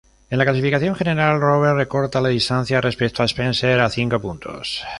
En la clasificación general, Roberts recorta la distancia respecto a Spencer a cinco puntos.